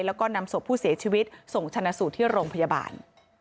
แล้วก็นำศพผู้เสียชีวิตส่งชนะสูตรที่โรงพยาบาล